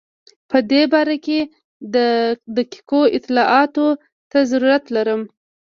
په دې باره کې دقیقو اطلاعاتو ته ضرورت لرم.